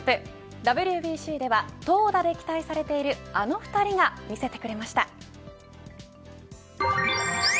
ＷＢＣでは投打で期待されているあの２人が見せてくれました。